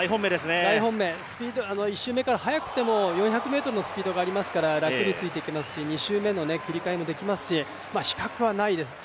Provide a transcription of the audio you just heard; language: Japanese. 大本命、１周目から早くても４００ｍのスピードがありますから、楽についていけますし２周目の切り替えもできますし死角はないですね。